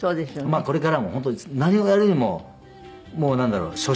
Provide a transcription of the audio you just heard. まあこれからも本当に何をやるにももうなんだろう？